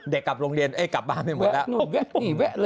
เด็กกลับบ้านไปหมดแล้ว